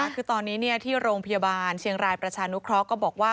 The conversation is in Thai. คือตอนนี้ที่โรงพยาบาลเชียงรายประชานุเคราะห์ก็บอกว่า